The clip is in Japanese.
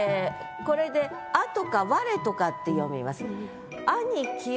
これで「あ」とか「われ」とかって読みます。